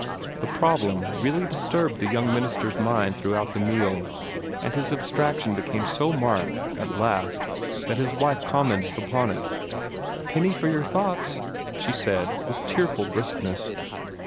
The problem really disturbed the young minister's mind throughout the meal, and his abstraction became so marked at last that his wife commented upon it. "A penny for your thoughts!" she said, with cheerful briskness.